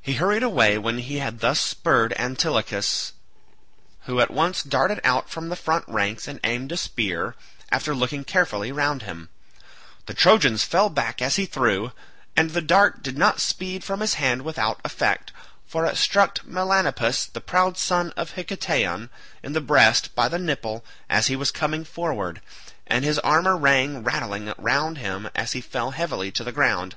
He hurried away when he had thus spurred Antilochus, who at once darted out from the front ranks and aimed a spear, after looking carefully round him. The Trojans fell back as he threw, and the dart did not speed from his hand without effect, for it struck Melanippus the proud son of Hiketaon in the breast by the nipple as he was coming forward, and his armour rang rattling round him as he fell heavily to the ground.